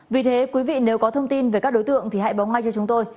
vì thế quý vị nếu có thông tin về các đối tượng thì hãy bóng ngay cho chúng tôi